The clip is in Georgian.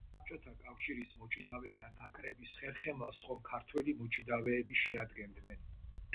საბჭოთა კავშირის მოჭიდავეთა ნაკრების ხერხემალს ხომ ქართველი მოჭიდავეები შეადგენდნენ.